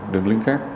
đường link khác